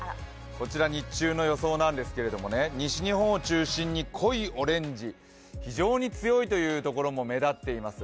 こちら日中の予想なんですけれども西日本を中心に濃いオレンジ、非常に強いという所も目立ってます。